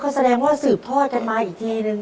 แสดงว่าสืบทอดกันมาอีกทีนึง